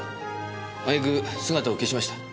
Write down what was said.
あげく姿を消しました。